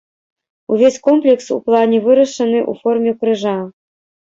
Увесь комплекс у плане вырашаны ў форме крыжа.